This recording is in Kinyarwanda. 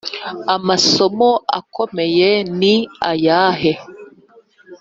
amasomo akomeye ni ayahe